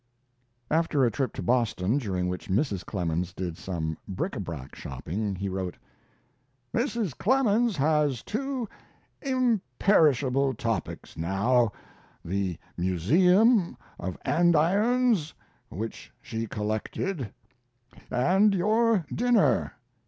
After a trip to Boston, during which Mrs. Clemens did some bric a brac shopping, he wrote: Mrs. Clemens has two imperishable topics now: the museum of andirons which she collected and your dinner.